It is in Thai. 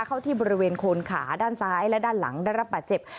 เข้าที่บริเวณโคนขาด้านซ้ายและด้านหลังได้รับบาดเจ็บ